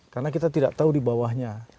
karena kita tidak tahu di bawahnya